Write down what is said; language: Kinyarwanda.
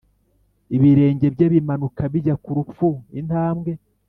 Ibirenge bye bimanuka bijya ku rupfu Intambwe